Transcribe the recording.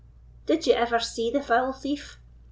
"Did ye ever see the foul thief?"